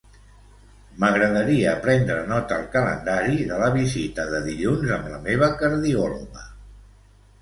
M'agradaria prendre nota al calendari de la visita de dilluns amb la meva cardiòloga.